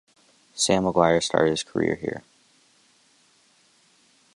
Sam Maguire started his career here.